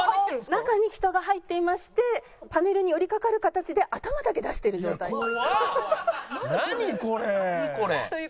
中に人が入っていましてパネルに寄り掛かる形で頭だけ出している状態です。